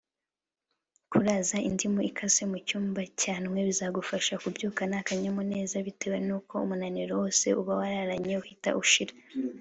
Kuraza indimu ikase mu cyumba cyanwe bizagufasha kubyukana akanyamuneza bitewe n’uko umunaniro wose uba wararanye uhita ushira